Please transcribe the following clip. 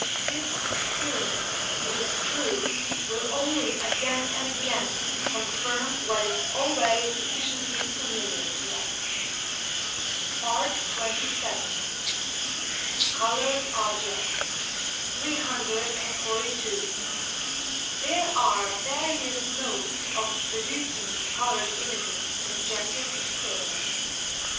This experiment, it is true, will only again and again confirm what is already sufficiently familiar to us. XXVII. COLOURED OBJECTS. 342 (260). There are various modes of producing coloured images in objective experiments.